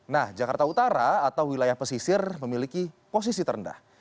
nah jakarta utara atau wilayah pesisir memiliki posisi terendah